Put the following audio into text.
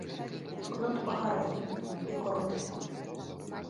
Кнот пагарэў і куродымеў.